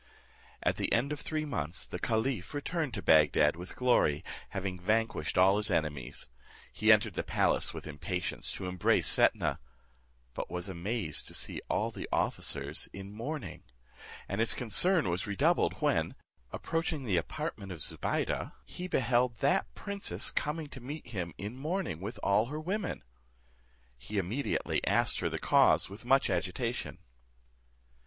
At the end of three months the caliph returned to Bagdad with glory, having vanquished all his enemies. He entered the palace with impatience to embrace Fetnah; but was amazed to see all the officers in mourning; and his concern was redoubled when, approaching the apartment of Zobeide, he beheld that princess coming to meet him in mourning with all her women. He immediately asked her the cause, with much agitation.